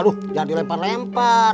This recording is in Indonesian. aduh jangan dilempar lempar